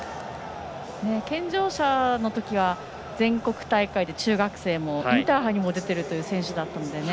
健常者のときは全国大会で中学生もインターハイにも出てるという選手だったのでね。